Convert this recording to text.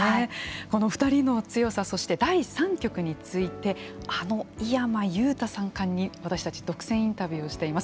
この２人の強さそして第三局についてあの井山裕太三冠に私たち独占インタビューしています。